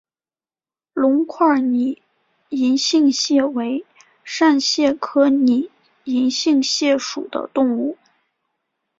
隆块拟银杏蟹为扇蟹科拟银杏蟹属的动物。